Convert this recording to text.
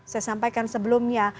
saya sampaikan sebelumnya